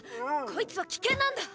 こいつはキケンなんだ！